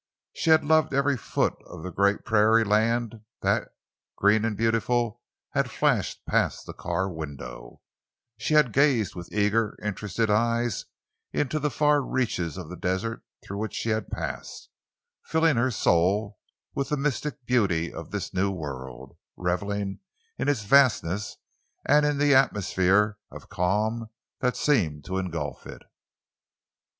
She had loved every foot of the great prairie land that, green and beautiful, had flashed past the car window; she had gazed with eager, interested eyes into the far reaches of the desert through which she had passed, filling her soul with the mystic beauty of this new world, reveling in its vastness and in the atmosphere of calm that seemed to engulf it.